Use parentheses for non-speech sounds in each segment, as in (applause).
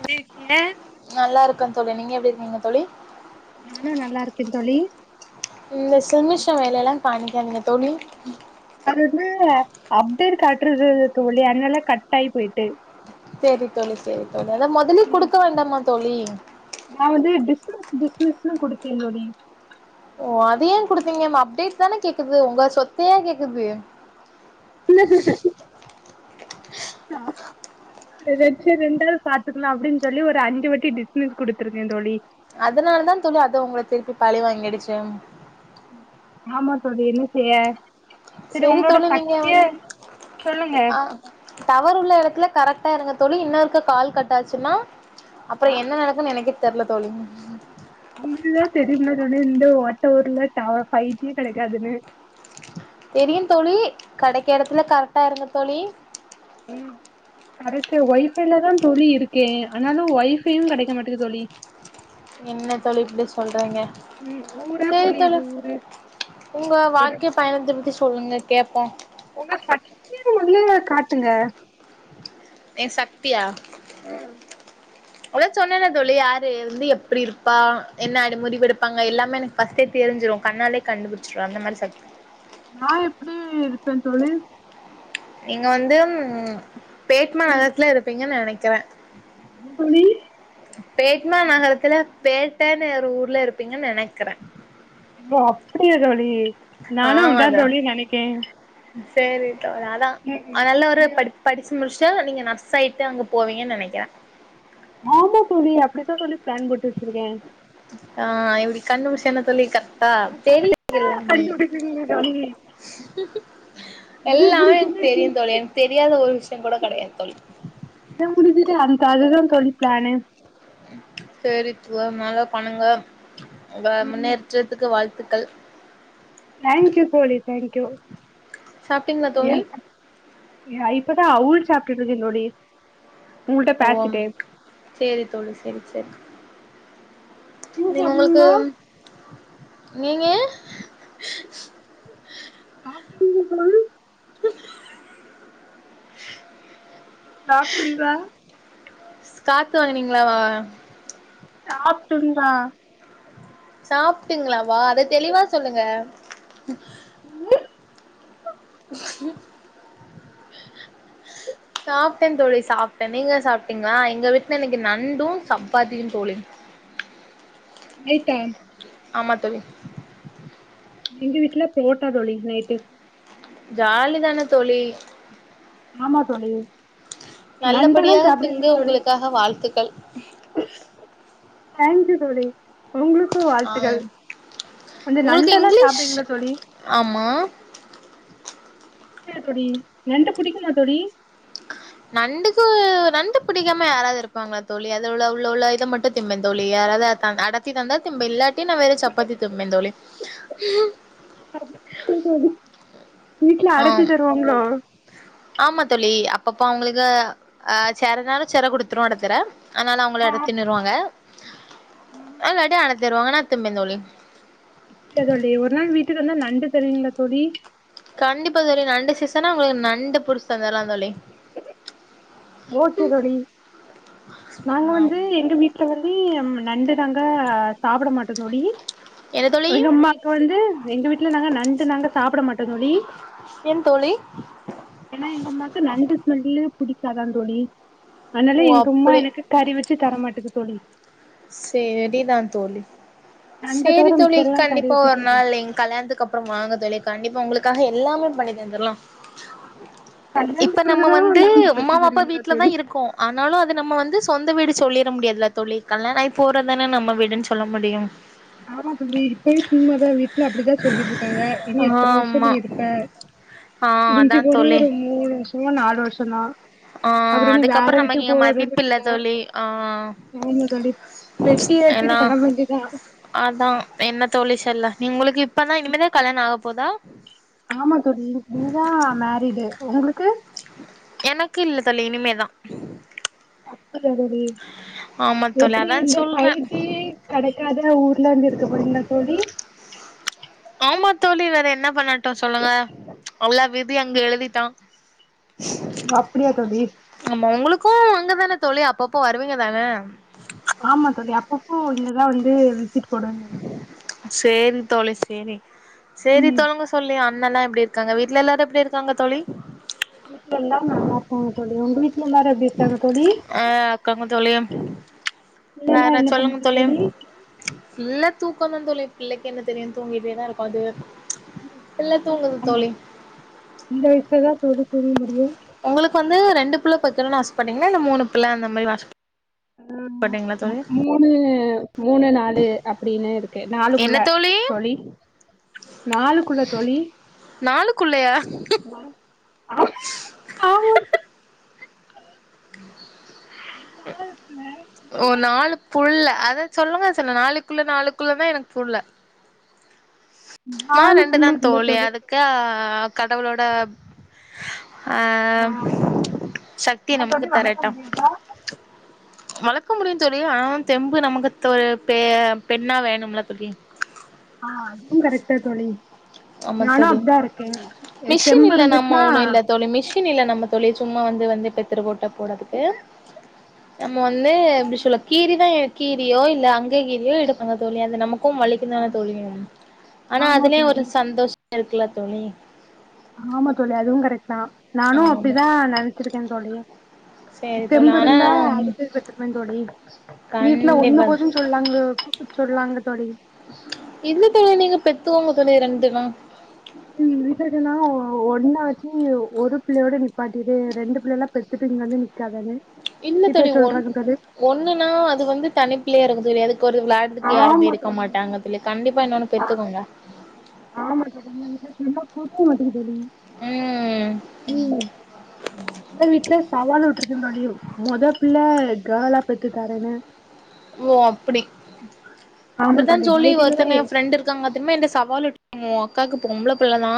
எப்டி இருக்கீங்க நல்லா இருக்கோம்னு தோழி நீங்க எதுக்கு எப்படியிருக்கேங்க தோழி? நானும் நல்லா இருக்கேன் தோழி. இந்த சில்மிஷம் வேலைலாம் - பணிக்காதெங்க தோழி. அது வந்து அப்டேட் காட்ரது தோழி அதுனால கட் ஆயி போயிட்டு. சரி தோழி சரி. இதலாம் முதலே குடுக்க வேண்டாமா தோழி நா வந்து டிஸ்மிஸ் டிஸ்மிஸ்ன்னு கொடுத்தே தோழி. ஓ அது குடுத்தீங்கன அப்டேட் தானே கேக்குது உங்க சொத்தையா கேக்குது. ஹஹ (inaudible) இத வச்சு ரெண்டவது பாத்துக்கலாம் அப்படின்னு சொல்லி ஒரு அஞ்சு வாட்டி டிஸ்மிஸ் குடுடுத்தருக்கேன் தோழி. அதனால தா தோழி அது உங்களை திருப்பி பழி வாங்கிடுச்சு. ம். ஆமா தோழி என்ன செய்ய? சரி செரி உங்களோட தோழி நீங்க சக்திய சொல்லுங்க ஆஹ் டவறு உள்ள இருக்குல கரெக்டா இருங்க தோழி இன்னு ஒருக்கா கால் கட்டாச்சுன்னா உங்களுக்கு தா தெரியுமே தோழி இந்த ஓர் மத்த ஊர்ல டாவர் ஃபைவ் ஜி கெடைக்காதுன்னு தெரியு தோழி கடைக்குற இடத்துல கரெக்டா இருங்க தோழி ம் கரெக்ட ஒய் ஃபைலதா தோழி இருக்கே ஆனாலு ஒய் ஃபையு கெடைக்க மாட்டகிது தோழி என்ன தோழி இப்டி சொல்றிங்க ம் ஊரா சேரி தோழி இது ஊரு உங்க ஒரு வாழ்கை பயணத்த பத்தி சொல் சொல்லுங்க கேப்போ உங்க சக்திய மொதல்ல காட்டுங்க ஏ சக்தியா ம் அதா சொன்னேனே தோழி யாரு இருந்து எப் இப்டி இருப்பா என்ன அடி முடிவு எடுப்பாங்க எல்லாமே எனக்கு ஃபஸ்ட்டே தெரிஞ்சிரு கண்ணாலே கண்டுபிடிச்சிருவ அந்த மாரி சக்தி நா எப்டி இருப்ப தோழி நீங்க வந்து ம் பேட்மா ம் நகரத்துல இருப்பீங்கன் நெனைக் த என்ன தோழி பேட்மா நகரத்துல பேட்டனு ஒரு ஊர்ல இருப்பீங்கன் நெனைக்கற அப்படிய தோழி நானு ஆமா இதா தோ தோழி நெனைக்கே சேரி அதா ம் அதனால ஒரு ம் படி படிச்சு முடிச்சி சேர் நீங்க நர்ஸ் ஆயிட்டு அங்க போவீங்கன் நெனைக்கிற ஆமா தோழி அப்டி தோழி ப்ளான் போட்டு வச்சிருக்க ஆ எப்டி கண்டு புடிச்ச பாத்தல்ல க ஆ தெரியு கரெக்டா எல்லாமே கண்டுபிடிக்கிறீங்க தோழி இது எல்லாமே எனக் முடிச்சுட்டு நீ தெரியு தோழி எனக் தெரியாத ஒரு விஷ்யோ கூட கெடையாது தோழி இத முடிச்சுட்டு அந்த அதுதா தோழி ப்ளானு செரி துவ நல்லா பண்ணுங்க உங்க முன்னேற்றத்துக்கு வாழ் த்துக்கள் தேங்கியூ தோழி தேங்கியூ சாப்ட்டீங்களா ஏ தோழி இப்பதா அவுல் சாப்ட்டுட்டு இருக்க தோழி உங்கள்ட்ட ஓம் பேசிட்டே சேரி தோழி சேரி சேரி நீங்க உங்களுக்கு நீங்க (unintelligible) சாப்டீங்களா ஸ் காத்து வாங்கினீங்களா வா சாப்டுந்தா சாப்டிங்களாவா அத தெளிவா சொல்லுங்க ம் ட நீங்க சாப்டீங்களா எங்க வீட்ல இன்னைக்கு நண்டு சப்பாத்தியு தோழி நைட்டா ஆமா தோழி எங்க வீட்டுல புரோட்டா தோழி நைட்டு ஜாலி தான தோழி ஆமா தோழி நண்டெல்லா நல்லபடியாக சாப்டுவீங்களா திங்க தோழி உங்களுக்காக வாழ்த்துக்கள் தேங்க் யூ தோழி உங்ளுக்கு வாழ்த்துக்கள் ஆ கொஞ்ச உங்களுக்கு நண்டெல்லா இங்கிலீஷ் சாப்டுவீங்களோ தோழி ஆமா ட்ட தோழி நண்டு புடிக்குல்ல தோழி நண்டுக்கு நண்டு புடிக்காம யாராவது இருப்பாங்களா தோழி அது உள்ள உள்ள உள்ள இத மட்டு திம்ப தோழி யாராவது அறுத்தாங்னா அடத்தி தந்தா திம்ப இல்லாட்டி நா வேரு சப்பாத்தி திம்ப தோழி (unintelligible) வீட்ல ஆ அடத்தி தருவாங்ளோ ஆமா தோழி அப்பப்பொ அவங்களுகு ஆஹ் சேரனாலு செர குடுத்துருவாங் செர அதனால அவங்கலே எடுத் தின்னுறுவாங்க அல்லடி அனத் தருவாங்க நா திம்பேந் தோழி செர் தோழி ஒரு நாள் வீட்டுக்கு வந்தா நண் நண்டு தருவிங்களா தோழி கண்டிப்பா தோழி நண்டு சீசனா உங்ளுகு நண்டு புடிச்சு தந்தர்லா தோழி ஓகே தோழி நாங்க வந்து எங்க வீட்டுல வந்து ம் நண்டு நாங்க சாப்புட மாட்டோ தோழி என்ன தோழி எங்கம்மாக்கு வந்து எங்க வீட்டுல நாங்க நண்டு நாங்க சாப்பிட மாட்டோ தோழி ஏன் தோழி ஏனா எங்கம்மாக்கு நண்டு ஸ்மல் புடிக்காதா தோழி அனால ஓ எங்க ம்மா அப்படி எனக்கு கறி வச்சு தரமாட்டுக்கு தோழி சேரிதா தோழி நண்ட சேரி தவிர மிச்ச தோழி எல்லா கறி கண்டிப்பா வச்சு ஒரு தரு நாள் எங் கல்யாணத்துக்கு அப்புறோ வாங்க தோழி கண்டிப்பா உங்களுக்காக எல்லாமே பண்ணி தந்துர்லா இப்ப கல்யாணத்துக்கு நம்ம பிறகுதா வந்து நண்டு ம்மா வச்சு வாப்பா தருவீங்களா வீட்டுலதா தோழி இருக்கோ ஆனாலு அது நம்ம வந்து ஸ் சொந்த வீடு சொல்லிற முடியாதுலா தோழி கல்யாணாயி போறதானே நம்ம வீடுன் சொல்ல முடியூ ஆமா தோழி இப்பவே சும்மாதா வீட்ல அப்டிதா சொல்லிட்ருக்காங்க இனி எத்தன வருஷோ நீ ஆமா இருப்பே ஆ மிஞ்சு அதா போனா தோழி ஒரு மூணு வருஷமோ நாலு வருஷோ தா ஆ அப்பறோ நீ வேற அதுக்கப்புறம் நமக்கு வீட்டுக்கு இங்க போற வேண்டிய மதிப்பு இல்ல பிள்ள தோழி ஆ ஆமா தோழி பெட்டி எடுத்துட்டு எல்லா கெளம்ப வேண்டிதா அதா என்ன தோழி சொல்ல உங்களுக்கே இப்பதா இனிமேதா கல்யாணம் ஆகப் போதா ஆமா தோழி நியூவா மேரிடு உங்களுக்கு எனக்கு இல்ல தோழி இனிமேதா (unintelligible) ஆமா தோழி எப்டி அதா இந்த சொல்றே ஃபைட்டு கெடைக்காத ஊரு உள்ள இருந்து எடுக்க போறிங்களா தோழி ஆமா தோழி வேற என்ன பண்ணட்டு சொல்லுங்க அவ்ளா விதி அங்க எழுதிட்டா அப்டியா தோழி இங்கதான தோழி அப்பப்போ வருவீங்க தான ல்லா வந்து (unintelligible) சேரி தோழி செரி செரி ம் தோங்க சொல்லியாம் அண்ணல்லா எப்பிடி இருக்கா வீட்ல எல்லாரு எப்பிடி இருக்காங்க தோழி வீட்ல எல்லாரு நல்லாருக்காங்க தோழி உங்க வீட் ஆ காங்க தோழி பிள்ளைல்லா வேற என்ன சொல்லுங்க பண்ணுது தோழி தூக்கோ தா தோழி பிள்ளைக்கு என்ன தெரியூ தூங்கிட்டே தா இருக்கூ அது பிள்ள தூங்குது ஆமா தோழி இந்த வயசுல தா தோழி தூங்க முடியூ உங்களுக்கு வந்து ரெண்டு பிள்ள பெத்துக்கணூனு ஆசப்பட்டீங்களா இல்ல மூணு பிள்ள அந்த மாரி ஆச ஆ மு மு மூணு மூணு நாலு அப்டின்னு இருக்கு நாலுக்குள்ள தோழி நாலுக்குள்ள தோழி நாலுக்குள்ளயா ஆமா (unintelligible) ம் ஓ நாலு புள்ள அதா சொல்லுங்க சொன்ன நாலுக்குள்ள நாலுக்குள்ளன்னா எனக்கு புர்ல நா நாலு ரெண்டு தா பிள்ளைக்குள்ள தோழி அதுக்கா கடவுளோட ஆ சக்திய ஏன் நமக்கு தோழி வளக்க தரட்டு முடியாதா வளக்க முடியு தோழி ஆனால் தெம்பு நமக்கு ஒரு பெ பெண்ணா வேணும்ல்ல தோழி ஆ அதுவு கரெக்ட் தா தோழி ஆமா நானு தோழி அப்டுதா இருக்கே தெம்பு இருந்துச்னா ஷின் இல்ல நம்ம தோழி சும்மா வந்து வந்து பெத்திருபோட்ட போறதுக்கு நம்ம வந்து எப்டி சொல்ல கீரிதா எடு கீரியோ இல்ல அங்கே கீரியோ எடுப்பாங்க தோழி அது நமக் கும் வலிக்குந்தான தோழி ஆனா ஆமா அதுலயே ஒரு தோழி ஷ்ட இருக்குல தோழி ஆமா தோழி அதுவு கரெக்ட் தா நானு ஆமா அப்டிதா நெனச்சிருக்க தோழி சேரி தோழி தெம்பு ஆனா இருந்தா அடுத்து பெத்துப்பே தோழி வீட்டுல ஒண்ணு கண்டிப்பா போதுன்னு சொல்லாங்லோ சொல்லாங்க தோழி இல்ல தோழி நீங்க பெத்துகோங்க தோழி ரெண்டு தா ரிசனா ஒன்னாச்சு ஒரு பிள்ளயோட நிப்பாட்டிடு ரெண்டு பிள்ளை எல்லா பெத்துட்டு இங்க வந்து நிக்காதானு இல்ல தோழி ஒன் ஒண்ணுனா அதுக்கு வந்து தனி பிள்ளயா இருக்க தெரியாது ஒரு விளாடதுக்கு யாரும்மே ஆமா இருக்க தோழி மாட்டாங்க தொழி கண்டிப்பா இன்னொன்னு பெத்துகோங்க பத்த மாட்டுக்கு தோழி உம் உங்க வீட்ல சவால் விட்டுக்றதுனாலயோ மொத பிள்ள கெலா பெத்து தாரனு ஓ அப்டி ஆமா இப்டித்தா தோழி சோலி ஒருத்தங்க டைரிலலா என் ஃப்ரெண்ட் இருக்காங்க திரும்ப என் சவால் விட் டோங் ஒங் அக்காக்கு பொம்பள புள்ளதா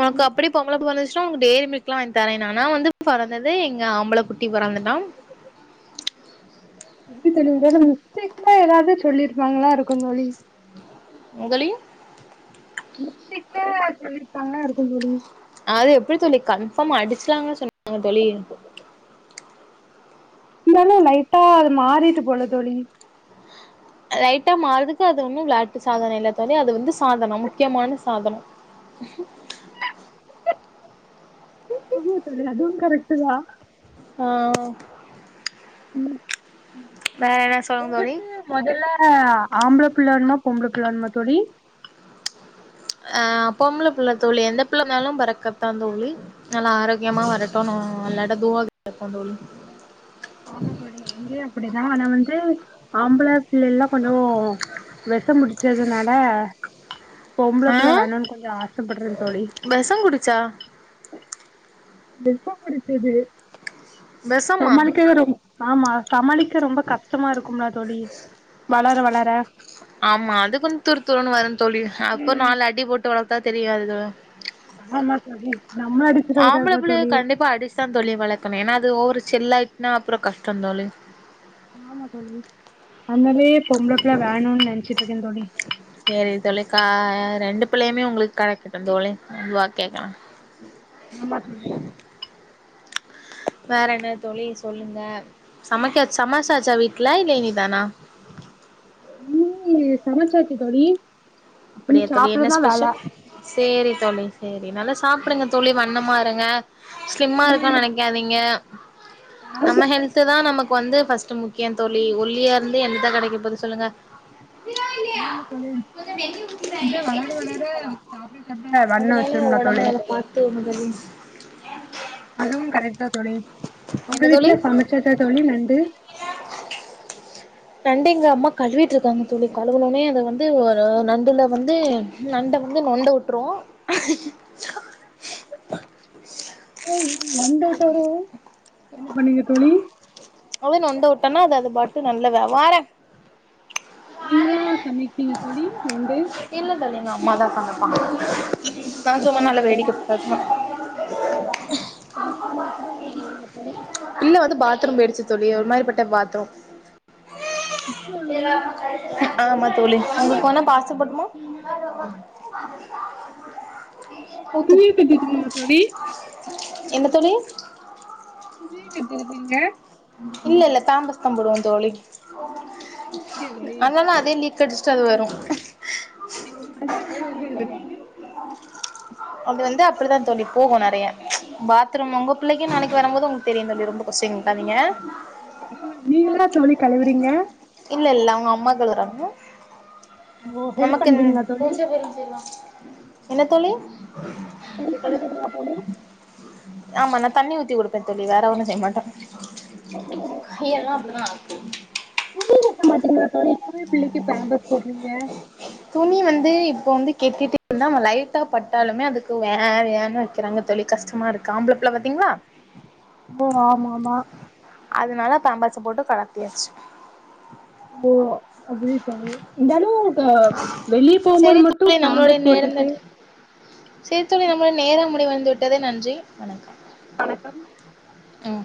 உனக்கு அப்டி பொம்பள பொறந் ன்ச்சுனா உனக் டெரி மில்க்லா வாங்கி தரேனு ஆனா வந்து பொறந்தது எங்க ஆம்பள குட்டி பொறந்துட்டா எப்டி தெரியு மிஸ்டேக்லா ஏதாவது சொல்லிருப்பாங்களா இருக்க மோழி முகலிங் மிஷ்டேக்ல சொல்லிருப்பாங்களா இருக்கு தொழி அது எப்டி தோழி கன்ஃபார்ம் அடிச்சிலாங் னு சொன்னாங் தோழி இருந்தாலு லைட்டா அது மாறிட்டு போல தோழி ரைட்டா மாறுதுக்கு அது ஒன்னு விளாட்டு சாதன இல்லா தோழி அது வந்து சாதனோ முக்கியமான சாதனோ ஆமா தோழி அதுவு கரக்ட் தா ஆஹ் சொல்லுங்க தோழி உங்கிட்ட முதல்ல ஆம்பள பிள்ள பொம்ளபுள்ள வேணுமா தோழி அஹ் பொம்ள புள்ள தோழி எந்த புள்ளனாலு பொறக்கத்தா தோழி நல்லா ஆரோக்கியமா வரட்டனு அல்லாட தூவா ப்போ தோழி ஆமா தோழி இங்கயே அப்டிதா ஆனா வந்து ஆம்பள இல்ல எல்லா கொஞ்சோ வெச புடிச்சதுனால ஆ பொம்பளப்புள்ள வேணனு கொஞ்ச ஆசப்படுற தோழி வெஷம் குடிச்சா வெஷ புடிச்சது வெஷமா சமாலிகவே ரொம் ஆமா சமாளிக்க ரொம்ப கஷ்டமா இருக்கும்லா தோழி வளர வளர ஆமா அது கொஞ் தூர் தூர்ன்னு வரு தோழி அப்போ நாலு அடி போட்டு வள தா தெரியாத தா (unintelligible) அடிச்சிட ஆம்பள கூடாதுல புள்ளய தோழி கண்டிப்பா அடிச்சுதா தோழி வள அ ஏன்னா அது ஓவொரு செல்லட்டுனா அப்புறோ கஷ்டம் தோழி ஆமா தோழி அந்தாலயே பொம்பள புள்ள வேணுனு நெனச்சிட்ருக்கே தோழி. சேரி தோழி கா ரெண்டு பிள்ளையுமே உங்களுக்கு கெடைக்கட்டு தோழி (unintelligible) ஆமா (unintelligible) வேற என்ன தோழி சொல்லுங்க சமைக்க சமசாச்சா வீட்டுல இல்ல இனிதானா (unintelligible) சமச்சாச்சு தோழி. உம் அப்படியா தோழி என்ன சாப்பிடரதா வேல. ஸ்பெஷல் சேரி தோழி சேரி நல்ல சாப்பிடுங்க தோழி வண்ணமா இருங்க ஸ்லிம்மா இருக்குனு நெனைக்காதீங்க. ஆஹ. (unintelligible) நம்ம ஹெல்த்துதா நமக்கு வந்து பஸ்ட் முக்கியம் தோழி ஒல்லியா இருந்து என்னந்தா கெடைக்க போது சொல்லுங்க. ஆமா தோழி (unintelligible) அப்டியே வளர வளர சாப்பிட சாப்பிட வண்ண அதனால வச்சிருந்தா ஒடம்ப தோழி நல்லா பாத்துக்கோங்க தோழி அதுவு கரெக்ட்தா தோழி. உங்க என்ன தோழி வீட்டுல சமைச்சாச்சா தோழி நண்டு நண்டு எங்க அம்மா கழுவிட்டுருக்காங்க தோழி கழவுணோனே அத வந்து ஒரு நண்டுல வந்து நண்ட வந்து நொண்ட விட்ருவோ (unintelligible) (unintelligible) வந்துட்டரும் என்ன பண்ணீங்க தோழி வந்த நண்ட விட்டோனா அது அது பாட்டு நல்ல வியா வார நீங்களா சமைக்கீங்க தோழி நண்டு. இல்ல தோழி அம்மாதா சமைப்பாங்க. நா சும்மா அப்படியா நல்லா தோழி, வேடிக்க (unintelligible) (unintelligible) இல்ல வந்து பாத்ரூம் போய்டுச்சு தோழி ஒரு மாரி பட்ட பாத்ரூம் ம், ஆமா தோழி உங்களுக்கு சாம்பார் போனா பாச சாதம் போட்டுமா தோழி. ஊத்து வெளிய (unintelligible) தோழி என்ன தோழி (unintelligible) இல்ல இல்ல தாம்பஸ் தா போடுவ தோழி அப்டியா தோழி கடிச்சுட்டு அது வரும் அது எப்டி தோழி வருது அது வந்து அப்டிதான் தோழி போகும் நெறயா பாத்ரூம் உங்க புள்ளைங்கக நாளைக்கு வரும்போது உங்களுக்கு தெரியும் தோழி ரொம்ப கொஷின் க்காதிங்க நீங்கலா தோழி கழுவறீங்க இல்ல இல்ல அவுங்க அம்மா கழுவறாங்க ஹெல்ப் எனக்கு இந் பண்றீங்களா தோழி பூச்ச பெரிச்சிருவாங்க என்ன தோழி ஹெல்ப் பண்றீங்களா (unintelligible) ஆமா நான் தண்ணி ஊத்தி கொடுப்பன் தோழி வேற ஒண்ணோ செய்ய மாட்டே அப்டி கையெல்லா தோழி அப்டிதா துணில க்க மாட்டிங்களா தோழி இப்பவே பிள்ளைக்கு பேம்பர்ஸ் போடுறீங்க துணி வந்து இப்ப வந்து கெட்டுட்டு இருந்தா ஓன் லைட்டா பட்டாலுமே அதுக்கு வேன் வேன்னு வக்கிறாங்க தோழி கஷ்டமா இருக்கு ஆம்பளப்புல்ல பாத்தீங்களா ஓ ஆமா ஆமா அதனால பேம்பர்ஸ போட்டு கழத்தியாச்சு ஓ அப்டி தோழி இருந்தாலும் இப்ப வெளிய போம்போது மட்டும் பேம்பர்ஸ் போட்டுட்டு செரி தோழி நம்மளுட நேரம் முடிவடைந்துவிட்டது நன்றி வணக்கம் வணக்கம் ம்